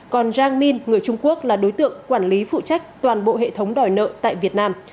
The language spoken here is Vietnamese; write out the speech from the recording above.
còn jangin người trung quốc là đối tượng quản lý phụ trách toàn bộ hệ thống đòi nợ tại việt nam